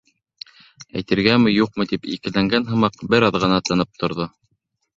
Әйтергәме-юҡмы тип икеләнгән һымаҡ, бер аҙ ғына тынып торҙо.